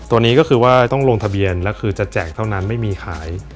ตัวนี้ก็คือว่าต้องลงทะเบียนแล้วคือจะแจกเท่านั้นไม่มีขาย